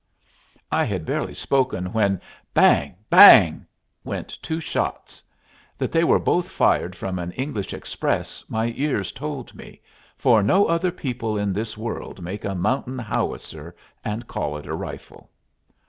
I had barely spoken when "bang! bang!" went two shots. That they were both fired from an English "express" my ears told me, for no other people in this world make a mountain howitzer and call it a rifle.